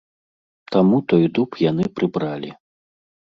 Таму той дуб яны прыбралі.